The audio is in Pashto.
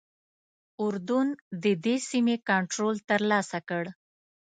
اردن ددې سیمې کنټرول ترلاسه کړ.